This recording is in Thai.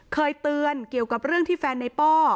เคยเตือนเกี่ยวกับเรื่องที่แฟนในป้อ